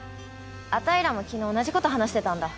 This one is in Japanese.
あたいらも昨日同じこと話してたんだ。